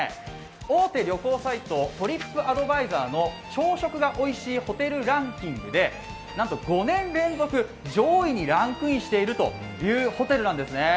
大手旅行サイトトリップアドバイザーの朝食のおいしいホテルランキングで、なんと５年連続上位にランクインしているというホテルなんですね。